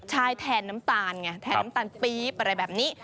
ใช่แทนน้ำตาลไงแทนน้ำตาลปี๊บอะไรแบบนี้